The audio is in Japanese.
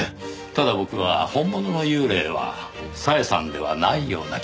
ただ僕は本物の幽霊は小枝さんではないような気がしているのですよ。